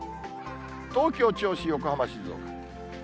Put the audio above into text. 東京、銚子、横浜、静岡。